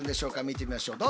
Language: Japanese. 見てみましょう。